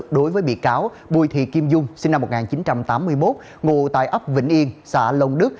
đối với bị cáo bùi thị kim dung sinh năm một nghìn chín trăm tám mươi một ngụ tại ấp vĩnh yên xã long đức